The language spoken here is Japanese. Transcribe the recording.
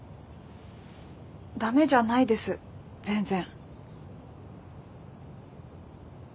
ダメじゃないです全然。